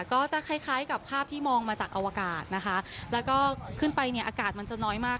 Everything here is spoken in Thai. ก็จะคล้ายคล้ายกับภาพที่มองมาจากอวกาศนะคะแล้วก็ขึ้นไปเนี่ยอากาศมันจะน้อยมาก